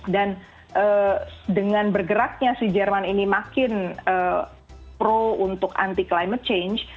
dan dengan bergeraknya si jerman ini makin pro untuk anti climate change